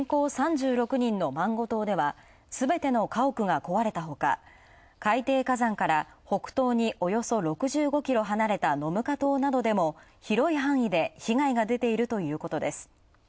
マンゴ島ではすべての家屋が壊れたほか、海底火山からほくとうにおよそ６５キロ離れたノムカ島などでも広い範囲で被害が出ているということです。